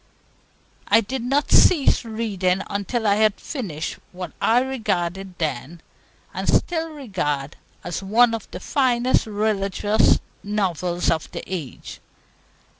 I did not cease reading until I had finished what I regarded then, and still regard, as one of the finest religious novels of the age.